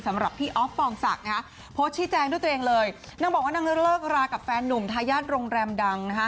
สำหรับพี่อ๊อฟปองศักดิ์โพสต์ชี้แจงด้วยตัวเองเลยนางบอกว่านางเลิกรากับแฟนหนุ่มทายาทโรงแรมดังนะฮะ